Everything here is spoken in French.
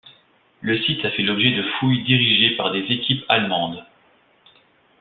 Le site a fait l'objet de fouilles dirigées par des équipes allemandes.